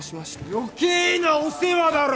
余計なお世話だろ！